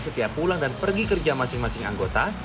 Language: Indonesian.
setiap pulang dan pergi kerja masing masing anggota